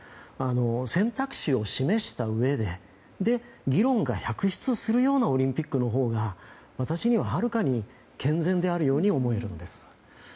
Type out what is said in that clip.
選択肢を示したうえで議論百出するようなオリンピックのほうが私には、はるかに健全であるように思えるんです。